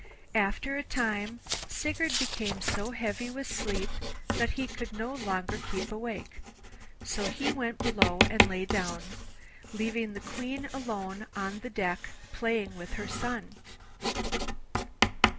After a time Sigurd became so heavy with sleep that he could no longer keep awake, so he went below and lay down, leaving the Queen alone on the deck, playing with her son.